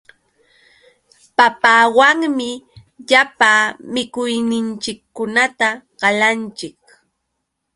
Papawanmi llapa mikuyninchikkunata qalanchik.